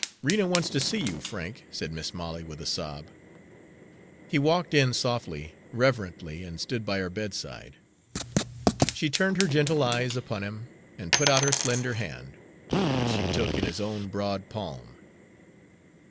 "Rena wants to see you, Frank," said Mis' Molly, with a sob. He walked in softly, reverently, and stood by her bedside. She turned her gentle eyes upon him and put out her slender hand, which he took in his own broad palm.